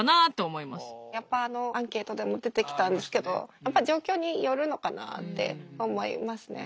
やっぱあのアンケートでも出てきたんですけどやっぱ状況によるのかなって思いますね。